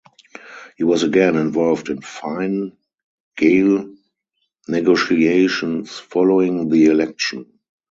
He was again involved in Fine Gael negotiations following the election.